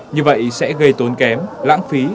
như vậy sẽ gây tốn kém lãng phí